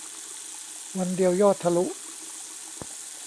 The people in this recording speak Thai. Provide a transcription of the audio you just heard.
วันเดียวยอดทะลุ